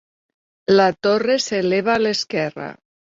La torre s'eleva a l'esquerra.